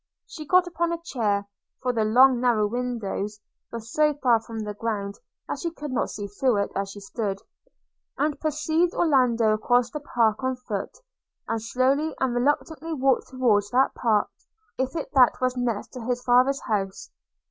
She got upon a chair (for the long narrow window was so far from the ground, that she could not see through it as she stood); and she perceived Orlando cross the park on foot, and slowly and reluctantly walk towards that part if it that was next to his father's house.